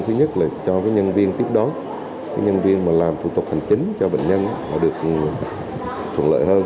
thứ nhất là cho nhân viên tiếp đón nhân viên mà làm thủ tục hành chính cho bệnh nhân họ được thuận lợi hơn